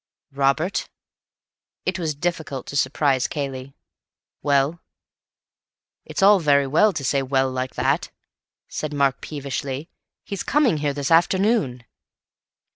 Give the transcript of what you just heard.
"Robert?" It was difficult to surprise Cayley. "Well?" "It's all very well to say 'well?' like that," said Mark peevishly. "He's coming here this afternoon."